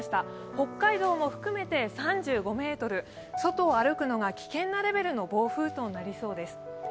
北海道も含めて３５メートル、外を歩くのが危険なレベルの暴風となりそうです。